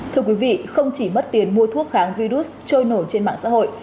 thưa quý vị không chỉ mất tiền mua thuốc kháng virus trôi nổi trên mạng xã hội